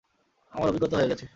আমার অভিজ্ঞতা হয়ে গেছে।